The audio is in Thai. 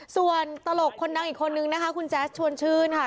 ส่วนตลกคนดังอีกคนนึงนะคะคุณแจ๊สชวนชื่นค่ะ